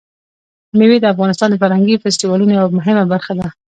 مېوې د افغانستان د فرهنګي فستیوالونو یوه مهمه برخه ده.